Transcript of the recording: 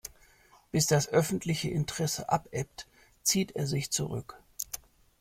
Bis das öffentliche Interesse abebbt, zieht er sich zurück.